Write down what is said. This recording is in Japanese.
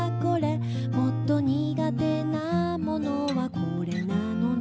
「もっと苦手なものはこれなのね」